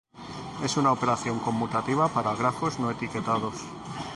Es una operación conmutativa para grafos no-etiquetados.